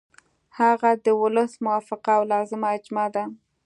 هغه د ولس موافقه او لازمه اجماع ده.